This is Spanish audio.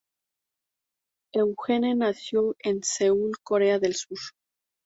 Eugene nació en Seúl, Corea del Sur.